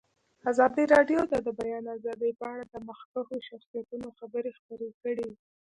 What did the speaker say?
ازادي راډیو د د بیان آزادي په اړه د مخکښو شخصیتونو خبرې خپرې کړي.